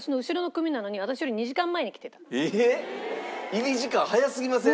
入り時間早すぎません？